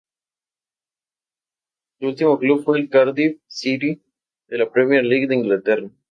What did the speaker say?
Su último club fue el Cardiff City, de la Premier League de Inglaterra.